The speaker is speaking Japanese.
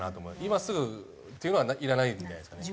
今すぐっていうのはいらないんじゃないですかね。